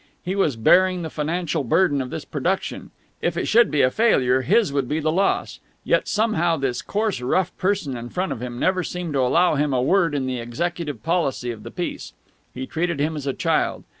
He was bearing the financial burden of this production. If it should be a failure, his would be the loss. Yet somehow this coarse, rough person in front of him never seemed to allow him a word in the executive policy of the piece. He treated him as a child.